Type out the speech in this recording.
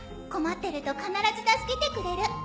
困ってると必ず助けてくれる。